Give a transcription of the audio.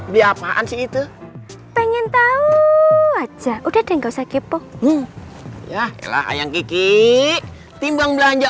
biar apaan sih itu pengen tahu aja udah deh nggak usah kepo ya ayah kiki timbang belanja